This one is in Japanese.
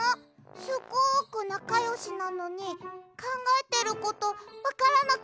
すごくなかよしなのにかんがえてることわからなかったの？